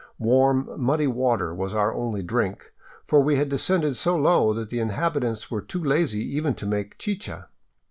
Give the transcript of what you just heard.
Warm, muddy water was our only drink, for we had descended so low that the inhabitants were too lazy even to make chicha.